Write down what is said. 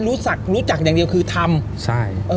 รู้จักอย่างเดียวคือทำ